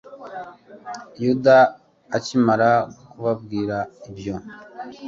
yuda akimara kubabwira ibyo